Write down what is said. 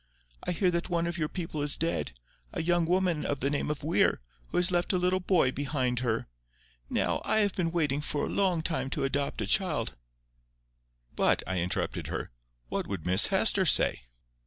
I hear that one of your people is dead, a young woman of the name of Weir, who has left a little boy behind her. Now, I have been wanting for a long time to adopt a child——" "But," I interrupted her, "What would Miss Hester say?"